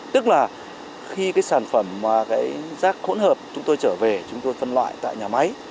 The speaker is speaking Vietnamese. tức là khi cái sản phẩm mà cái rác hỗn hợp chúng tôi trở về chúng tôi phân loại tại nhà máy